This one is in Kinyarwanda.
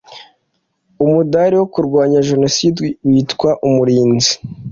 umudari wo kurwanya jenoside witwa umurinzi